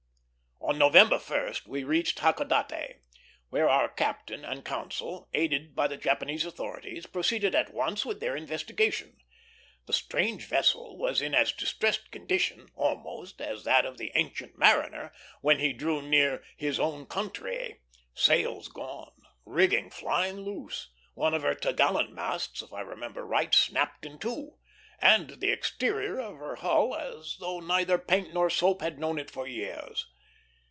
On November 1st we reached Hakodate, where our captain and consul, aided by the Japanese authorities, proceeded at once with their investigation. The strange vessel was in as distressed condition, almost, as that of the Ancient Mariner when he drew near "his own countree:" sails gone, rigging flying loose, one of her topgallant masts, if I remember right, snapped in two, and the exterior of her hull as though neither paint nor soap had known it for years.